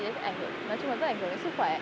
nói chung là rất ảnh hưởng đến sức khỏe